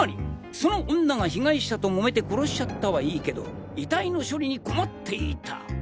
その女が被害者とモメて殺しちゃったはいいけど遺体の処理に困っていた！